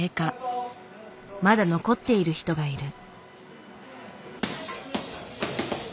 まだ残っている人がいる。